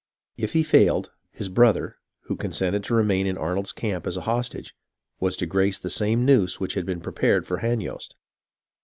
If he failed, his brother, who consented to remain in Arnold's camp as a hostage, was to grace the same noose which had been prepared for Hanyost.